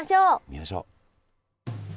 見ましょう。